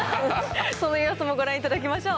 その様子もご覧いただきましょう。